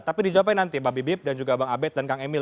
tapi dijawabkan nanti mbak bibip dan juga bang abed dan kang emil